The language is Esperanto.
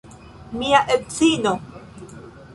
Mia edzino!